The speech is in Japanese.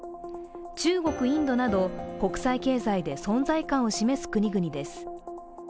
中国、インドなど国際経済で存在感を示す国々です。